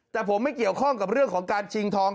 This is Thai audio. แต่ผมไม่เกี่ยวข้องกับเรื่องของการชิงทอง